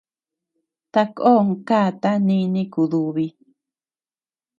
Takon káta nini kudubi.